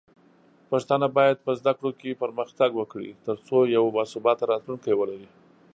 پښتانه بايد په زده کړو کې پرمختګ وکړي، ترڅو یو باثباته راتلونکی ولري.